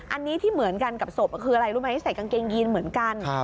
อันนี้ที่เหมือนกันกับศพคืออะไรรู้ไหมใส่กางเกงยีนเหมือนกัน